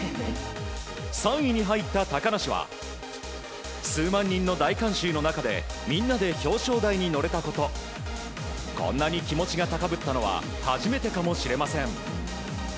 ３位に入った高梨は数万人の大観衆の中でみんなで表彰台に乗れたことこんなに気持ちが高ぶったのは初めてかもしれません。